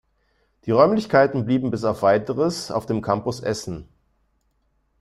Die Räumlichkeiten blieben bis auf weiteres auf dem Campus Essen.